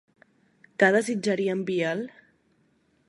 Què desitjaria, en Biel?